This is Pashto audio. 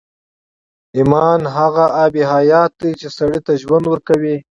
ايمان هغه آب حيات دی چې سړي ته ژوند ورکوي.